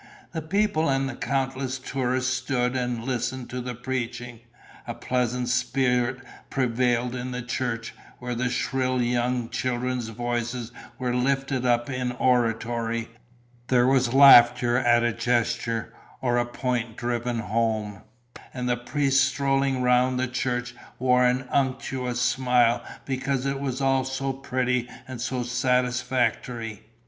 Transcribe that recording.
The people and countless tourists stood and listened to the preaching; a pleasant spirit prevailed in the church, where the shrill young children's voices were lifted up in oratory; there was laughter at a gesture or a point driven home; and the priests strolling round the church wore an unctuous smile because it was all so pretty and so satisfactory.